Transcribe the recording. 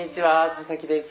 佐々木です。